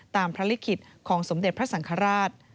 ตามภลิกฤตของสมเด็ตพระสังคาราช